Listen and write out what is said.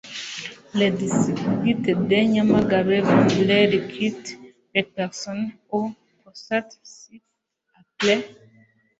Le District de Nyamagabe voudrait recruter le Personnel aux postes ci-après